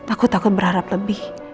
aku takut berharap lebih